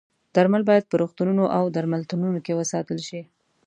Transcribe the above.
درمل باید په روغتونونو او درملتونونو کې وساتل شي.